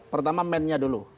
pertama mainnya dulu